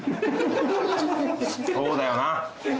そうだよな